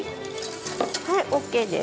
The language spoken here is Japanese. はいＯＫです。